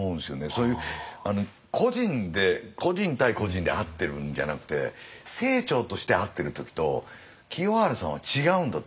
そういう個人で個人対個人で会ってるんじゃなくて清張として会ってる時と清張さんは違うんだと僕は。